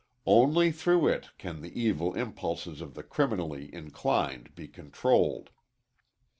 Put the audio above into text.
Only through it can the evil impulses of the criminally inclined be controlled.